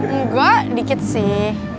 enggak dikit sih